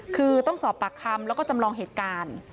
คือต้องสอบปากคำแล้วก็จำลองเหตุการณ์